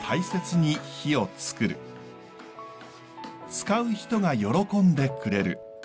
使う人が喜んでくれる。